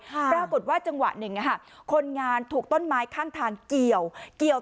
ปรากฏว่าจังหวะหนึ่งคนงานถูกต้นไม้ข้างทางเกี่ยว